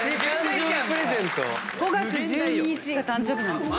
５月１２日が誕生日なんです。